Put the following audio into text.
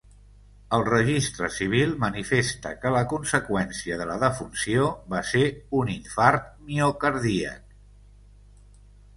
El registre civil manifesta que la conseqüència de la defunció va ser un infart miocardíac.